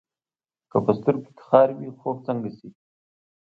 که په سترګو کې خار وي، خوب څنګه شي؟